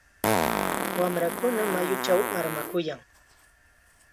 Wamrakuna mayuchaw armakuyan.